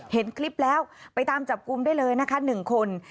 เห็นคลิปแล้วไปตามจับกลุ่มได้เลยนะคะ๑คน